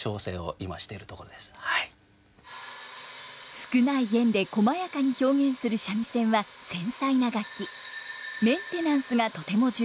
少ない絃でこまやかに表現する三味線は繊細な楽器。